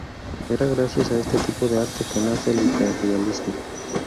Es gracias a este tipo de arte que nace el Hiperrealismo.